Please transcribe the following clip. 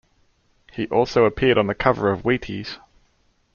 He also appeared on the cover of Wheaties.